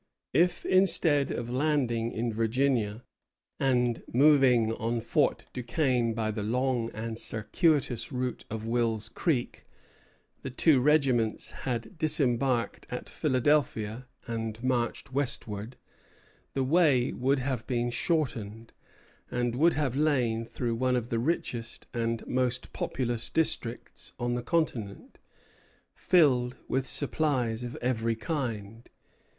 If, instead of landing in Virginia and moving on Fort Duquesne by the long and circuitous route of Wills Creek, the two regiments had disembarked at Philadelphia and marched westward, the way would have been shortened, and would have lain through one of the richest and most populous districts on the continent, filled with supplies of every kind.